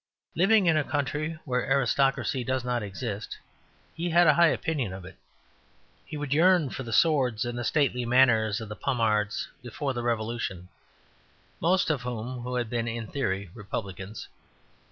Living in a country where aristocracy does not exist, he had a high opinion of it. He would yearn for the swords and the stately manners of the Pommards before the Revolution most of whom had been (in theory) Republicans.